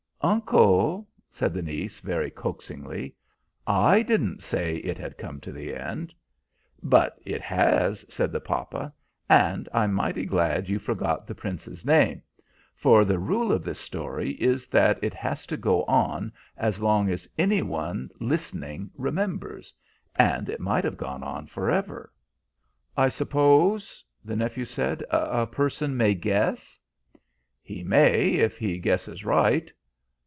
"Uncle," said the niece, very coaxingly, "I didn't say it had come to the end." "But it has," said the papa. "And I'm mighty glad you forgot the Prince's name, for the rule of this story is that it has to go on as long as any one listening remembers, and it might have gone on forever." "I suppose," the nephew said, "a person may guess?" "He may, if he guesses right.